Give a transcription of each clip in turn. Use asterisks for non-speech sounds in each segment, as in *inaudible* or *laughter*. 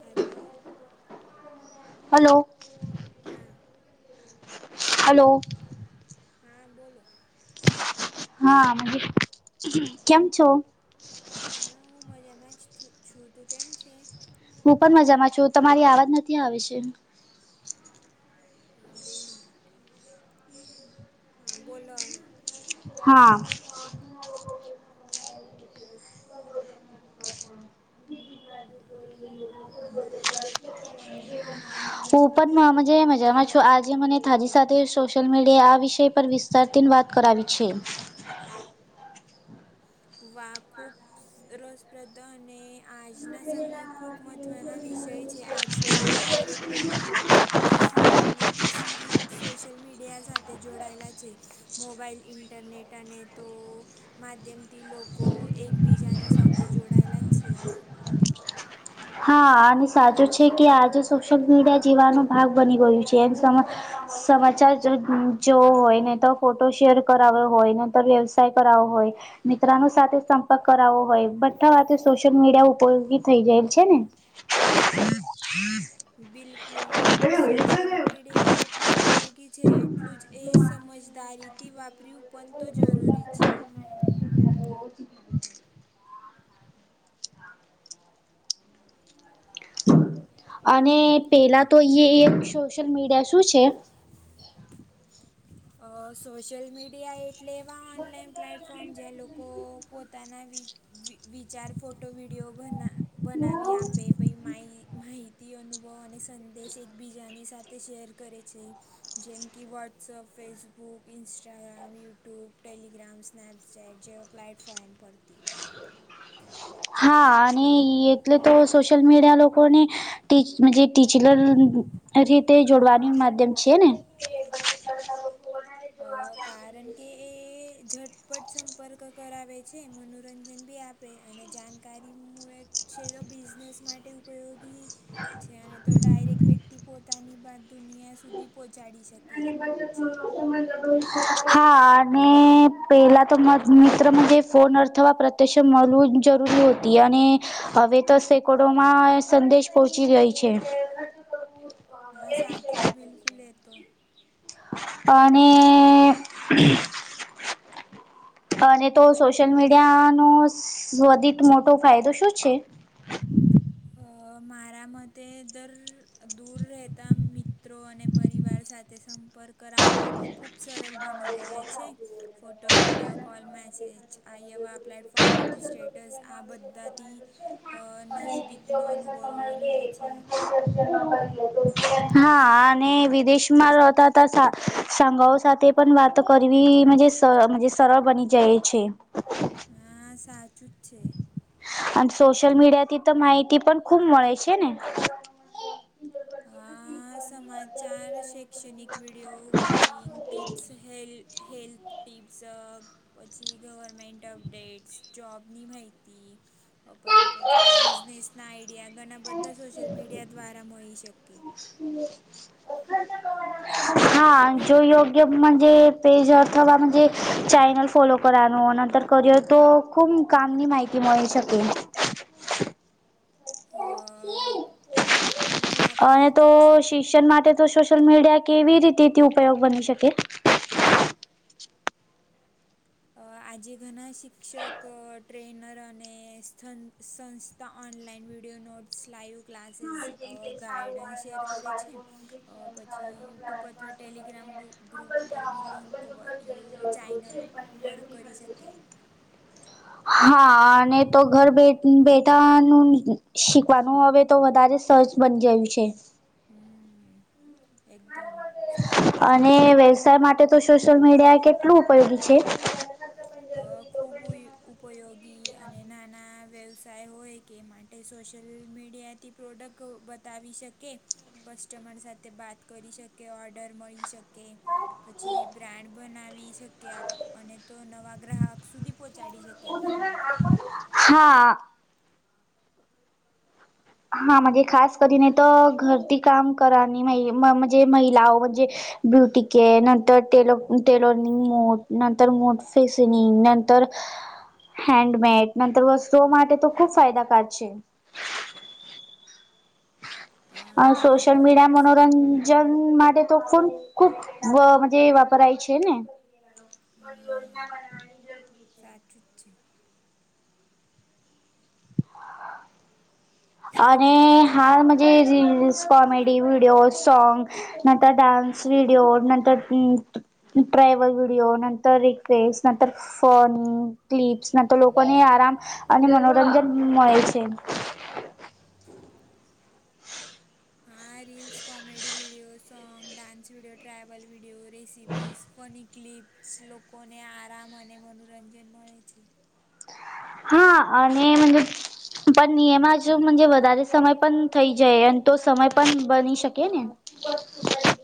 Hello hello હાં hello હાં બોલો. હાં કેમ છો? હાં હું મજામાં જ છું તું કેમ છે? હું પન મજામાં છું તમારી આવાજ નથી આવે છે હાં બે મિનિટ હાં બોલો અવે હાં હું પન મા મજે મજામાં છું આજે મને તારી સાથે સોશિયલ મીડિયા આ વિષય પર વિસ *unintelligible* વાત કરાવી છે વાહ! ખૂબ રસપ્રદ અને આજના સમયે ખૂબ મહત્વના વિષય છે. આજકાલ ડાયરેક્ટ વ્યક્તિ કિસી ને કિસી રીત સોશલ મીડિયા સાથે જોડાયેલા છે. મોબાઈલ, ઇન્ટરનેટ અને તો માધ્યમ થી લોકો એકબીજાની સાથે જોડાયેલા જ છે ના. હા. અને સાચું છે કે આજે સોશિયલ મીડિયા જીવાનો ભાગ બની ગયું છે. એક સમા સમાચાર જો જોવો હોય, નહીં તો ફોટો શેર કરાવો હોય, નહીં તો વ્યવસાય કરાવો હોય મિત્રાનો સાથે સંપર્ક કરાવો હોય. બધા હાથે સોશિયલ મીડિયા ઉપયોગી થઈ જાય છે ને. *inaudible* બિલકુલ પધ સોશિયલ મીડિયા જેટલું ઉપયોગી છે એટલું જ એ સમજદારી તી વાપર્યું પણ તો જરૂરી છે. *inaudible* અને પેલા તો યે સોશિયલ મીડિયા શું છે? અહ સોશિલ મીડિયા એ ટલે એવા ઓનલાઈન પ્લેટફોર્મ જે લોકો પોતાના વિ વિ વિચાર, ફોટો, વિડીયો, બના બનાવી આપે પહી માહિ માહિત તીઓનુંવો અને સંદેશ એકબીજાની સાથે શેર કરે છે. જેમ કે WhatsApp Facebook, Instagram, YouTube, Telegram, Snapchat જેવા પ્લેટફોર્મ પરથી. હા. અને ઈ એટલે તો સોશિલ મીડિયા લોકો કોને ટીચજે ટીચલર રીતે જોડવાની માધ્યમ છે ને. *inaudible* અહ કારણ કે એ ઝટપટ સંપર્ક કરાવે છે. મનોરંજન બી આપ આપે. અને જાણકારી *unintelligible* છે તો બિઝનેસ માટે ઉપયોગી છે, અને તો ડાયરેક વ્યક્તિ પોતાની બાત દુનિયા સુધી પહોંચાડી શક હા. અને પેલા તો મત મિત્ર મજે ફોન અર્થવા પ્રત્યક્ષ મલવું જરૂરી હોતી. અને હવે તો *unintelligible* *unintelligible* માં સંદેશ પહોંચી જાય છે. હા સાચું જ, બિલકુલ એ તો. અને અને તો સોશિયલ મીડિયાનો સ્વદિત મોટો ફાયદો શું છે? અહ મારા મતે દર દૂર રહેતા મિત્રો અને પરિવાર સાથે સંપ પર્ક રાખવામાં ખૂબ સરલ બની ગયા છે. ફોટો, વિડીયો કોલ, મેસેજ, આઈ એવા પ્લેટફોર્મ પરથી સ્ટેટસ આ બધાથી અહ અને બીજો નજદીકનો પૈસા અનુભવ કમાઈ લે રહે છે. *inaudible* હા. અને વિદેશમાં રહેતા તા સા સાંગાઓ સાથે પણ વાત તો કરવી મજે સર મજે સરળ બની જાય છે. હા સાચું જ છે. અને સોશિયલ મીડિયા થી તો માહિતી પણ ખુબ મળે છે ને. હા. સમાચાર, શૈક્ષણિક video, cooking tips, help health tips અહ પછી ગવર્મેન્ટ અપડેટ્સ, જોબની માહિતી અહ પહી પછી બિઝનેસ ના આઈડિયા ઘણા બધા સોશિયલ મીડિયા દ્વારા *unintelligible* *inaudible* હા. જો યોગ્ય મજે પેજ અથવા મજે ચેનલ ફોલો કરાનો નતર કર્યો તો ખૂબ કામની માહિતી મળી શકે. અ બિલકુલ આ અને તો સાચું જ છે શિસ્સન માટે તો શુંસ સોશિયલ મીડિયા કેવી રીતેથી ઉપયોગ બની શકે. અ આજે ઘના શિક્ષક ટ્રેનર અને સંન સંસ્થા online video notes live classes guidance share કરે છે. અ પછી યુટ્યુબ અથવા ટેલિગ્રામ ગુ ગ્રુપ પર બી લિંક વ યુ ચાઈનલ પર કરી શકે. હા અને તો ઘર બે બેઠાનું શીખવાનું હવે તો વધારે સહજ બની ગયું છે. હમ એકદમ સાચું જ છે. ને વ્યવસાય માટે તો સોશિયલ મીડિયા કેટલું ઉપયોગી છે. અ ખૂબ ઉપયોગી અને નાના વ્યવસાય હોય કે મા ટે સોશિયલ મીડિયાથી પ્રોડક્ટ બતાવી શકે કસ્ટમર સાથે વાત કરી શકે ઓર્ડર મળી શકે. પછી બ્રાન્ડ બનાવી શકે આપ અને તો નવા ગ્રાહક સુધી પહોંચાડી શકે આપણન. હા. હા મંજે ખાસ કરીને તો ઘરથી કામ કરવાની હોય મમજે મહિલાઓ મંજે બ્યુટી કે નંતર ટેલર ટેલરનિંગ મોટ નંતર મોટ ફેસનિંગ નંતર *unintelligible* હેન્ડમેડ નંતર વસ્તુઓ માટે તો ખૂબ ફાયદાકાર છે. આ હા સોશલ બિલકુલ મીડિયામનો રંજન માટે તો ફોન ખુબ વ મંજે વાપરાય છે ને. હા સાચું જ છે. *unintelligible* અને સાચું જ છે. હા મંજે જે રીલ્સ કોમેડી વિડિયો સોંગ નંતર ડાન્સ વિડીયો નંતર ટ્રાયવલ વિડયો નંતર રિક્વેસ્ટ નંતર ફોન ક્લિપ્સ ના તો લોકોને આરામ અને મનોરંજન મળે છે. આ reels comedy video song dance video travel video recipes funny clips લોકોને આરામ અને મનોરંજન મળે છે. હા અને મંજે પણ નિયમ મંજે વધારે સમય પણ થઈ જાય અને તો સમય પણ બની શકે ને. બસ *unintelligible*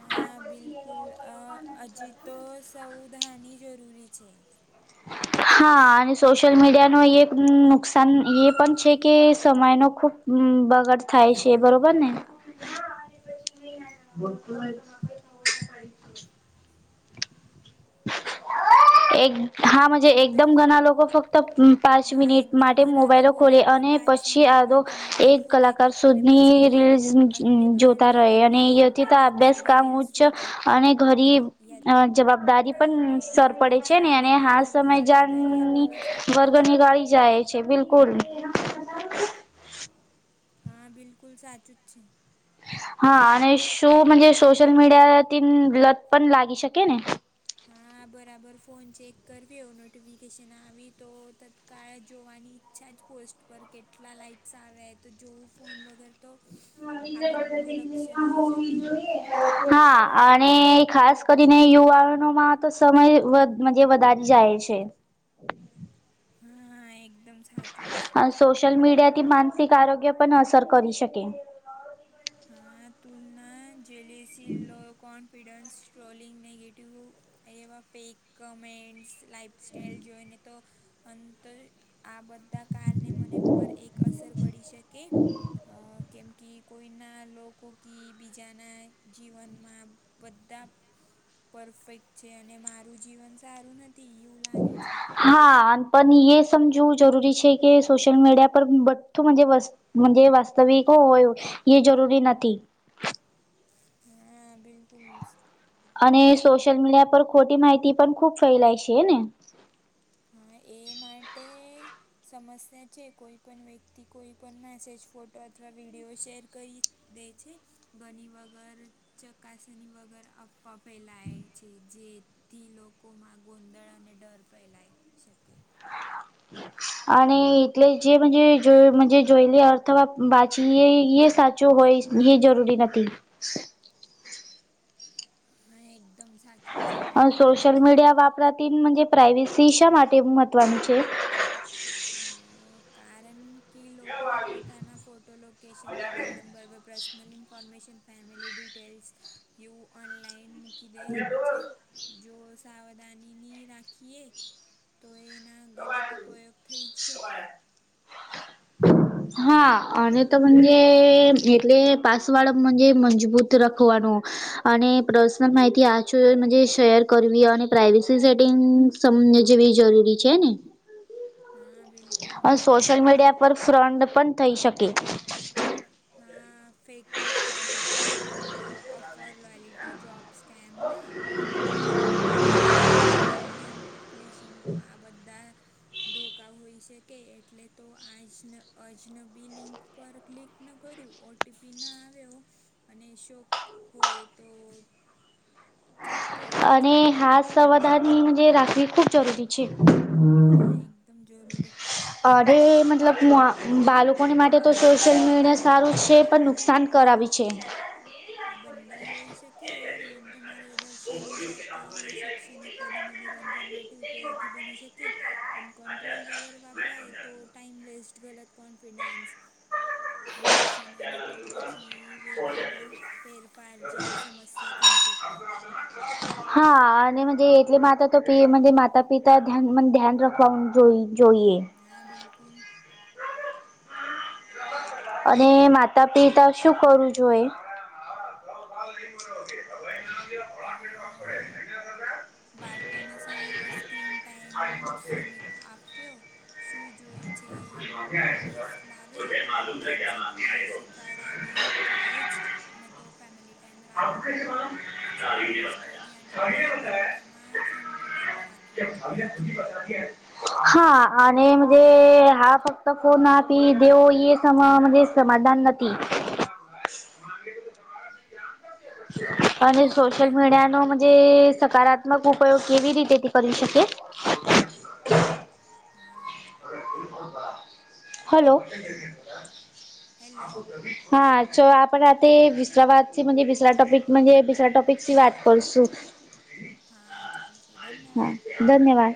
હા બિલકુલ અ હજી તો સવધાની જરૂરી છે. હ હા અને સોશિયલ મીડિયાનો એ નુકસાન એ પન છે કે સમયનો ખૂબ હમ બગડ થાય છે બરોબર ને. એક હા મંજે એકદમ ઘના લોકો ફક્ત પાંચ હા મિનિટ એકદમ માટે ઘણા મોબાઈલો લોકો ખોલી ફક્ત અને પાંચ પછી મિનિટ આધો માટે મોબાઈલ એક ખોલે કલાકાર અને સુધી પછી રીલઝ અંધો જોતા અડધો રહે અંધો અને એક કલાક અભ્યાસ સુધી કામ રીલ્સ ઉચ્ચ જોતા અને રહે યાદ ઘરીઅ જવાબદારી કામ અ, પણ સર પડે છે ઓછું ને અને તો હાલ ઘરની સમય જવાબદારી આ જાનની પણ અસર પડે વર્ગ છે. નીકાળી જાય છે બિલકુલ હા, બિલકુલ સાચુંજ છે. હા અને શું *unintelligible* સોશિયલ મીડિયા થી લત પણ લાગી શકે ને હા, બરાબર ફોન ચેક કરવી હો નોટિફિકેશન આવી તો તત્કાળ જોવાની *unintelligible* જ પોસ્ટ પર કેટલા લાઈક્સ આવે તો જોવું ફોન વગર તો આ બધું લક્ષણ હોઈ શકે. હા અને ખાસ કરીને યુવાનો માં તો સમય વધ *unintelligible* વધારે જાય છે. હા, એકદમ સાચુંજ છે. સોશિયલ મીડિયાથી માનસિક આરોગ્ય પણ અસર કરી શકે. હા, તુલના જલેસી લો કોણ ફિડસ, ટ્રોલિંગ, નેગેટવ એવા ફેક કમેન્ટસ લાઈફસ્ટાઈઇલ જોઈને તો અંતર આ બધા કાલને મને પર એક અસર પડી છે કે અહ કેમકી કોઈ, કોઈના લોકો કી બીજાના જીવનમાં બધા, પરફેક્ટ છે, અને મારું જીવન સારું નથી એવું લાગે છે. હા, પણ એ સમજવું જરૂરી છે, કે સોશિયલ મીડિયા પર બધું *unintelligible* દિવસ, મનજે વાસ્તવિકો હોય એ જરૂરી નથી, હા બિલકુલ, અને સોશિયલમીડિયા પર ખોટી માહિતી પણ ખૂબ ફેલાય છે, હેને હા, એ માટે સમસ્યા છે, કોઈપણ વ્યક્તિ, કોઈપણ મેસેજ ફોટો અથવા વિડીયો શેર કરી, દે છે, ઘણી વગર, ચકાસણી વગર, અફવા ફેલાય છે, જે થી લોકોમાં ગોંધળ અને ડર ફેલાય શકે, અને એટલે જે પણ જે જો મનજે જોયલી અર્થ વાંચીએ એ સાથ જો હોય ઈ જરૂરી નથી. હા, એકદમ સાચુંજ છે, આતો સોશિયલ મીડિયા વાપરાતી *unintelligible* પ્રાઇવેસી શા માટે મહત્વનું છે? હા. કારણકે, લોકો પોતાના ફોટો લોકેશન, મોબાઈલ નંબર પર પર્સનલ ઇન્ફોર્મેશન, ફેમિલી ડિટેલ્સ એવું ઓનલાઈન મૂકીદે છે. જો સાવધાનીની રાખીએ તો એના ગલત ઉપયોગ થઈજ શકે. હા અને તો *unintelligible* એટલે પાસવાડૅ *unintelligible* મજબૂત રાખવાનું, અને પર્સનલ માહિતી આચર માંજે શેર કરવી અને પ્રાઇવેસી સેટિંગ્સ, સમ જેવી જરૂરી છે, ને હા, બિલકુલ. સોશિયલ મીડિયા પર ફ્રોન્ડ પણ થઈ શકે, હા, fake profile, offer, loyalty, job સ્કેમના પેમેન્ટ ફ્રોડ, પછી લિંક ફ્લિશિંગ આ બધા, ધોકા હોઈ શકે એટલે તો આજ આજનબી લિંક પર ક્લિક, ના કર્યું ઓટીપીના આવ્યો અને શોક હોય તો, ચેક કર્યું જ અને હાથ સાવધાની જે રાખવી ખૂબ જરૂરી છે. હા એકદમ જરૂરી જ છે અરે મતલબ બાળકોને માટે તો સોશિયલ મીડિયા સારું છે, પણ નુકસાન કરાવી છે. આ બંને હોઈ શકે યોગ્ય માર્ગદર્શન શિક્ષણ સાથે શૈક્ષણિક અને મનોરંજન માટે ઉપયોગી બની શકે પણ કંટ્રોલ વગર વપરાય તો ટાઈમ વેસ્ટ ગલત કોન્ફિડન્સ એડિક્શન અને તો પછી વ્યવહારમાં ફેરફાર જેવી સમસ્યા થઈ શકે. *inaudible* હા અને મજે એટલે માતા તો માતા પિતા મનજે ધ્યાન રાખવાનું જોઈ જોઈએ. હા બિલકુલ. અને માતા -પિતા શું કરવુ જોઈએ? *inaudible* *unintelligible* અ બાળકોને સ સ્ક્રીન ટાઈમ સીમિત આપ્યો શું જોય છે એમ રસ લાવ્યો ઓનલાઈન સેફ્ટી શી શીખડાવી જોઈએ જ ની તો ફેમિલી ટાઈમ રાખવો પછી સ્ટડી અને પ્લે બને માં સંતુલન રાખયુ જોઈએ છે. હા અને વે હા ફક્ત ફોન આપી દેવ એ સમાન સમાધાન નથી. હા અને સોશલ એકદમ મીડિયા નો મજે સકારાતમક થોડાક ઉપયો કેવી રીતેથી કરી શકે હમમ. હલો. હેલો હા ચ આપડા તે વિસરાવા થી મજે દુસરા ટોપિક મજે દુસરા ટોપિક થી વાત કરશું હા ચાલશે હા. ધન્યવાદ ધન્યવાદ.